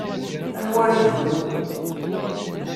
Anwa ara yebnun?